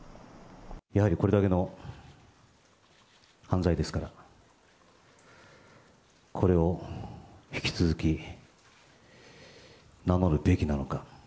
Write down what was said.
やはり、これだけの犯罪ですから、これを引き続き名乗るべきなのか。